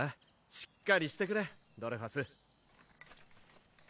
しっかりしてくれドレファス。